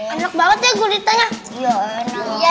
enak banget ya guritanya